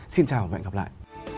xin chào và hẹn gặp lại